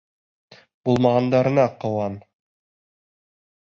Булмағандарына ҡыуан!